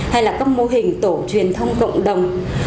hay là các mô hình tổ truyền thông cộng đồng